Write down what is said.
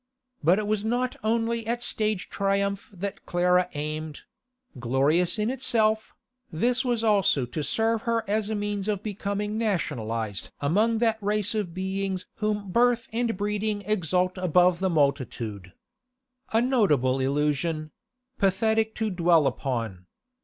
But it was not only at stage triumph that Clara aimed; glorious in itself, this was also to serve her as a means of becoming nationalised among that race of beings whom birth and breeding exalt above the multitude. A notable illusion; pathetic to dwell upon.